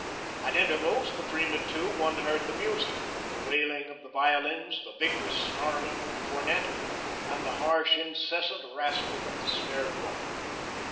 At intervals, between the two, one heard the music, the wailing of the violins, the vigorous snarling of the cornet, and the harsh, incessant rasping of the snare drum.